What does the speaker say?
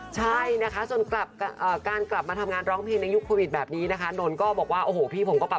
ใช่นะคะส่วนการกลับมาทำงานร้องเพลงในยุคโควิดแบบนี้นะคะ